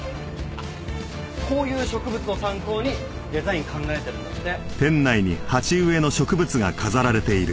こういう植物を参考にデザイン考えてるんだって。